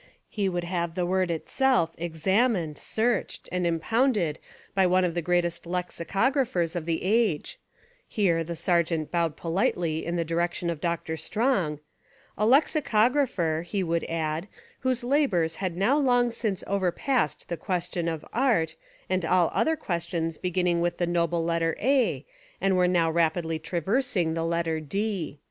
He would have the word itself examined, searched and impounded by one of the greatest lexicograph ers of the age (here the Sergeant bowed po litely In the direction of Dr. Strong), — a lexi cographer, he would add, whose labours had now long since overpassed the question of Art, and all other questions beginning with the no 2IO Fiction and Reality ble letter A and were now rapidly traversing the letter D.